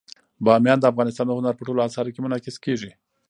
بامیان د افغانستان د هنر په ټولو اثارو کې منعکس کېږي.